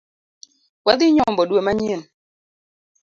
Wadhi nyombo dwe manyien.